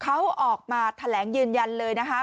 เขาออกมาแถลงยืนยันเลยนะคะ